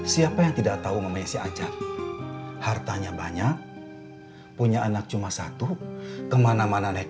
siapa yang tidak tahu namanya sih ajak hartanya banyak punya anak cuma satu kemana mana naik